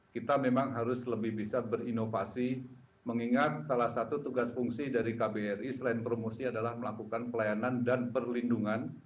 kita memang harus lebih bisa berinovasi mengingat salah satu tugas fungsi dari kbri selain promosi adalah melakukan pelayanan dan perlindungan